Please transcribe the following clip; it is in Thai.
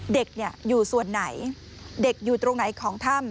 เด็กอยู่ส่วนไหนเด็กอยู่ตรงไหนของถ้ำ